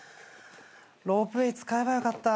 ロープウエー使えばよかった。